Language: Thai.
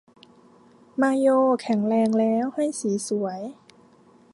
มาโยแข็งแรงแล้วให้สีสวย